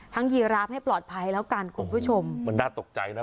ยีราฟให้ปลอดภัยแล้วกันคุณผู้ชมมันน่าตกใจนะ